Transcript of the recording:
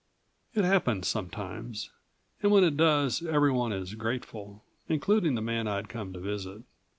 It happens sometimes and when it does everyone is grateful including the man I'd come to visit.